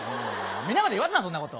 皆まで言わすなそんなこと。